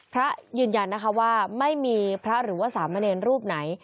ยืนยันนะคะว่าไม่มีพระหรือว่าสามเณรรูปไหน